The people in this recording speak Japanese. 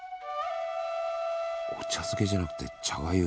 お茶漬けじゃなくて茶がゆ。